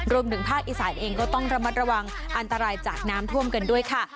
รวมถึงภาคอีสานเองก็ต้องระมัดระวังอันตรายจากน้ำท่วมกันด้วยค่ะ